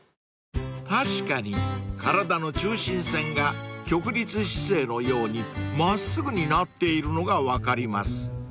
［確かに体の中心線が直立姿勢のように真っすぐになっているのが分かります］